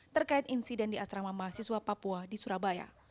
terkait insiden di asrama mahasiswa papua di surabaya